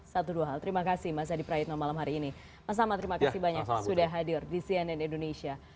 satu dua hal terima kasih mas adi prayitno malam hari ini mas ahmad terima kasih banyak sudah hadir di cnn indonesia